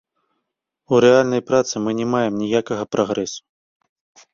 У рэальнай працы мы не маем ніякага прагрэсу.